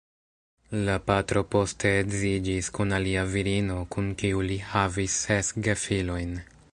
La patro poste edziĝis kun alia virino, kun kiu li havis ses gefilojn.